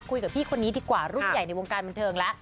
คุยกับพี่คนนี้ดีกว่ารุ่นใหญ่ในวงการบันเทิงแล้ว